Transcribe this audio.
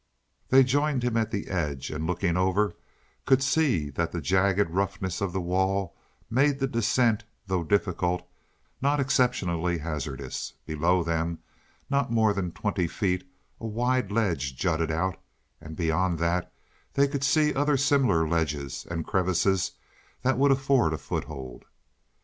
They joined him at the edge and, looking over, could see that the jagged roughness of the wall made the descent, though difficult, not exceptionally hazardous. Below them, not more than twenty feet, a wide ledge jutted out, and beyond that they could see other similar ledges and crevices that would afford a foothold.